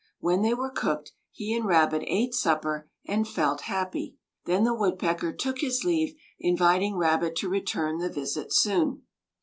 When they were cooked, he and Rabbit ate supper, and felt happy. Then the Woodpecker took his leave, inviting Rabbit to return the visit soon.